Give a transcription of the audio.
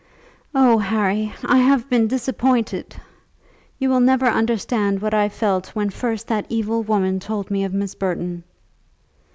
Oh, Harry, I have been disappointed! You will never understand what I felt when first that evil woman told me of Miss Burton."